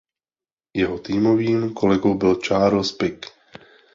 Jeho týmovým kolegou byl Charles Pic.